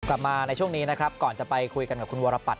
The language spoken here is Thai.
กลับมาในช่วงนี้นะครับก่อนจะไปคุยกันกับคุณวรปัต